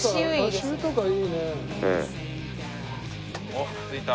おっ着いた！